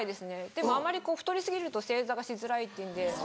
でもあまり太り過ぎると正座がしづらいっていうんで。